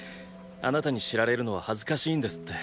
あなたに知られるのは恥ずかしいんですって。